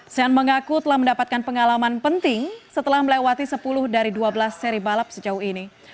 sean mengaku telah mendapatkan pengalaman penting setelah melewati sepuluh dari dua belas seri balap sejauh ini